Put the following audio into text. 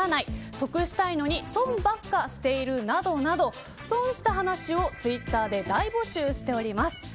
得したいのに損ばっかりしてる、などなど損した話をツイッターで大募集しております＃